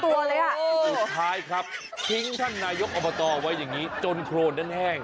สุดท้ายครับทิ้งท่านนายกอบตไว้อย่างนี้จนโครนนั้นแห้ง